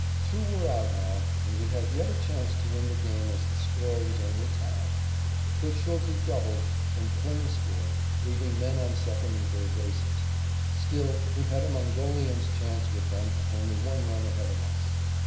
Two were out now, and we had yet a chance to win the game as the score was only tied. But Schulte doubled, and Kling scored, leaving men on second and third bases. Still we had a Mongolian's chance with them only one run ahead of us.